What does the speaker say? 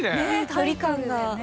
距離感が。